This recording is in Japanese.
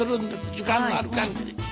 時間のある限り。